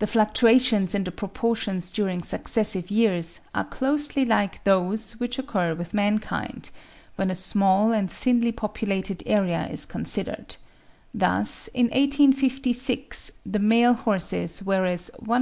The fluctuations in the proportions during successive years are closely like those which occur with mankind, when a small and thinly populated area is considered; thus in 1856 the male horses were as 107.